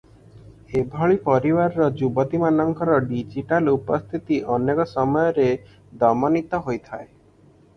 ଏଭଳି ପରିବାରର ଯୁବତୀମାନଙ୍କର ଡିଜିଟାଲ ଉପସ୍ଥିତି ଅନେକ ସମୟରେ ଦମନିତ ହୋଇଥାଏ ।